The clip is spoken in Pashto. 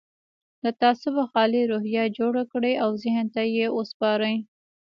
له تعصبه خالي روحيه جوړه کړئ او ذهن ته يې وسپارئ.